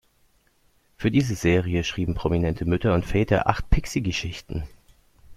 Für diese Serie schrieben prominente Mütter und Väter acht Pixi-Geschichten.